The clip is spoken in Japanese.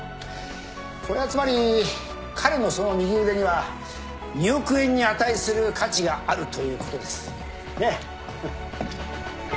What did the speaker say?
これはつまり彼のその右腕には２億円に値する価値があるということです